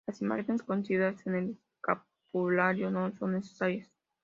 Las imágenes cosidas en el escapulario no son necesarias.